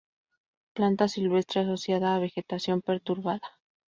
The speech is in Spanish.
Planta silvestre asociada a vegetación perturbada.